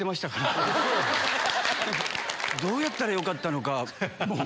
どうやったらよかったのか。